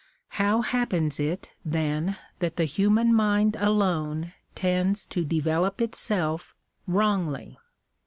How happens it, then, that the human mind alone tends to develop itself wrongly